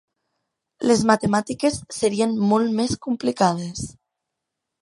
Les matemàtiques serien molt més complicades.